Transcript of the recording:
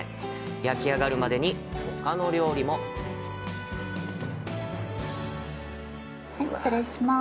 焼き上がるまでに、ほかの料理も失礼します。